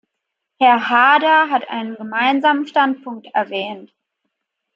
Herr Haarder hat einen Gemeinsamen Standpunkt erwähnt.